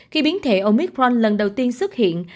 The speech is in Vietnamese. khi biến thể omicron lần đầu tiên xuất hiện